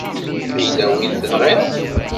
Yella wi tenɣiḍ?